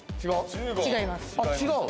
違います。